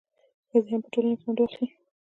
ښځې هم په ټولنه کې ونډه اخلي.